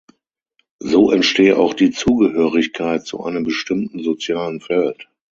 So entstehe auch die Zugehörigkeit zu einem bestimmten sozialen Feld.